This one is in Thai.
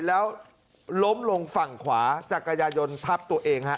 แล้วล้มลงฝั่งขวาจักรยายนทับตัวเองฮะ